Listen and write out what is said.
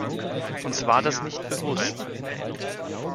Uns war das nicht bewusst.